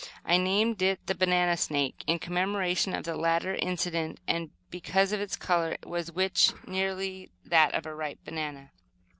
I named it the "banana snake," in commemoration of the latter incident, and because of its color, which was nearly that of a ripe banana.